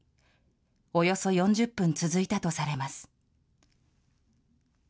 およそ４０分続いたとされます。